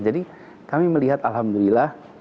jadi kami melihat alhamdulillah